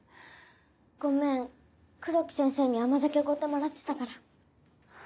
ごめん黒木先生に甘酒おごってもらってたから。